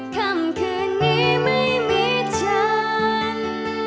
ค่ำคืนนี้ไม่มีฉัน